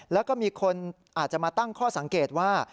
แล้วก็มีคนอาจจะมาตั้งข้อสังเกตว่า